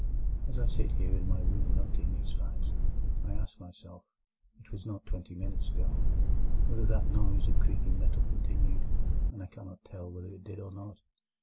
As I sit here in my room noting these facts, I ask myself (it was not twenty minutes ago) whether that noise of creaking metal continued, and I cannot tell whether it did or not.